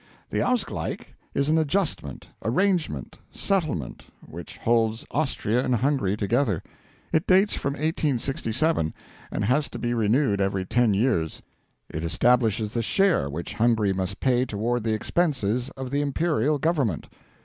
The Ausgleich is an Adjustment, Arrangement, Settlement, which holds Austria and Hungary together. It dates from 1867, and has to be renewed every ten years. It establishes the share which Hungary must pay toward the expenses of the imperial Government.